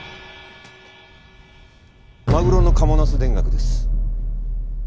マグロの賀茂ナス田楽です。